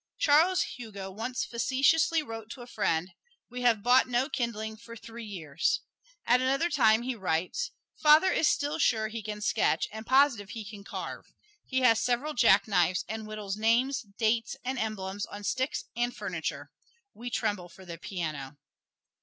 Charles Hugo once facetiously wrote to a friend: "We have bought no kindling for three years." At another time he writes: "Father still is sure he can sketch and positive he can carve. He has several jackknives, and whittles names, dates and emblems on sticks and furniture we tremble for the piano."